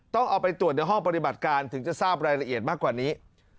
ต้องเอาไปตรวจในห้องปฏิบัติการถึงจะทราบรายละเอียดมากกว่านี้